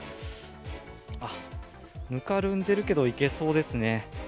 あ、ぬかるんでるけど、行けそうですね。